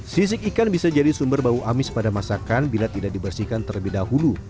sisik ikan bisa jadi sumber bau amis pada masakan bila tidak dibersihkan terlebih dahulu